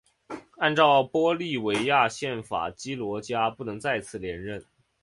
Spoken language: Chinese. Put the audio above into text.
按照玻利维亚宪法基罗加不能再次连任。